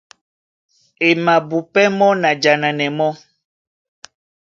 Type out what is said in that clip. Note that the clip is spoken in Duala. E mabupɛ́ mɔ́ na jananɛ mɔ́,